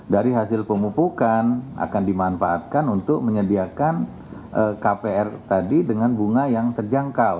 dari hasil pemupukan akan dimanfaatkan untuk menyediakan kpr tadi dengan bunga yang terjangkau